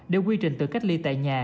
để quy trình tự cách ly tại nhà